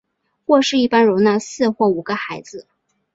卧室一般容纳四或五个孩子。